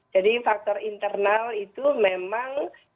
jadi faktor internal itu memang